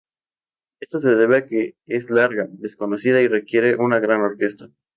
Esto se debe a que es larga, desconocida, y requiere una gran orquesta.